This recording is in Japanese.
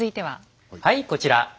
はいこちら。